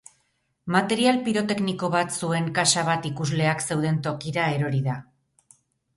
Material pirotekniko bat zuen kaxa bat ikusleak zeuden tokira erori da.